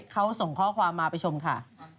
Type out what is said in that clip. เขาส่งข้อความมาไปชมค่ะ